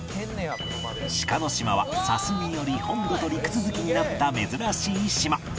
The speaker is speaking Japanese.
志賀島は砂州により本土と陸続きになった珍しい島